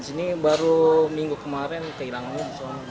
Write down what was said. ini baru minggu kemarin kehilangan